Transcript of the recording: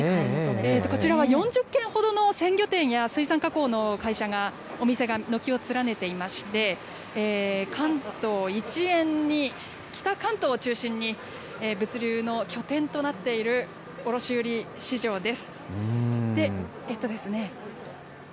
こちらは４０軒ほどの鮮魚店や水産加工の会社が、お店が軒を連ねていまして、関東一円に、北関東を中心に、物流の拠点となっている卸売市場です。